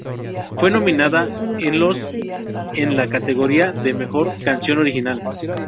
Fue nominada en los en la categoría de Mejor canción original.